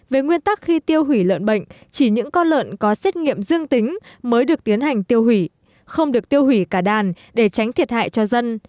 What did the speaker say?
về nguyên tắc khi tiêu hủy lợn bệnh chỉ những con lợn có xét nghiệm dương tính mới được tiến hành tiêu hủy không được tiêu hủy cả đàn để tránh thiệt hại cho dân